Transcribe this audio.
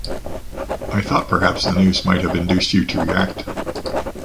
I thought perhaps the news might have induced you to retract.